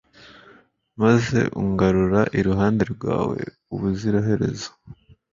maze ungarura iruhande rwawe ubuziraherezo